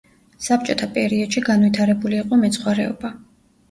საბჭოთა პერიოდში განვითარებული იყო მეცხვარეობა.